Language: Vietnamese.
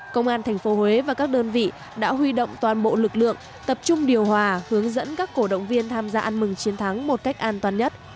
công an tp huế và các đơn vị đã huy động toàn bộ lực lượng tập trung điều hòa hướng dẫn các cổ động viên tham gia ăn mừng chiến thắng một cách an toàn nhất